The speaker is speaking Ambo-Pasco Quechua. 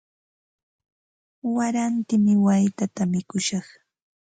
Warantimi waytata mikushaq.